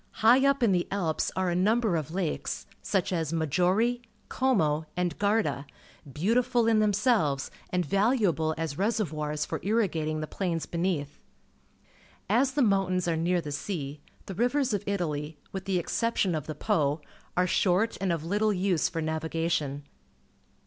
High up in the .Vlps are a nmnber of lakes, such as Maggiore, Como, and Garda, beautiful in themselves and valuable as reser \ oirs for irrigating the plains beneath. .\s the moimtams are near the sea, the rivers of Italj', with the exception of the Po, are short and of little use for na\'igation.